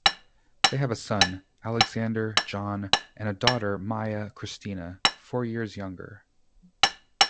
They have a son, Alexander John, and a daughter Maya Christina, four years younger.